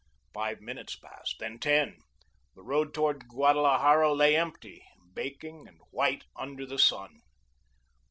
Five minutes passed, then ten. The road towards Guadalajara lay empty, baking and white under the sun.